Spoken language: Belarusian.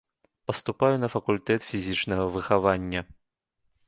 Паступаю на факультэт фізічнага выхавання.